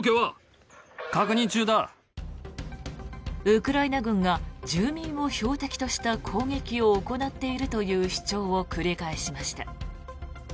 ウクライナ軍が住民を標的とした攻撃を行っているという主張を繰り返しました。